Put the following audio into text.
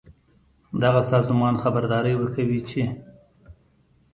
دغه سازمان خبرداری ورکوي چې